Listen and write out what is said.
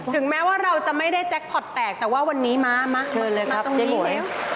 ถึงแม้ว่าเราจะไม่ได้แจ็คพอร์ตแตกแต่ว่าวันนี้มามาตรงนี้แล้ว